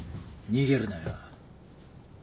逃げるなよ。